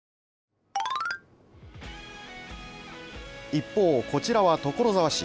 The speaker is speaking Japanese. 一方、こちらは所沢市。